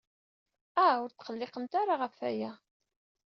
Ah, ur tqelliqemt ara ɣef waya.